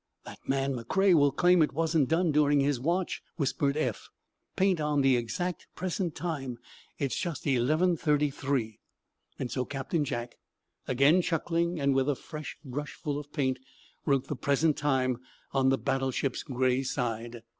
"That man McCrea will claim it wasn't done during his watch," whispered Eph. "Paint on the exact present time. It's just 11.33." So Captain Jack, again chuckling, and with a fresh brushful of paint, wrote the present time on the battleship's gray side.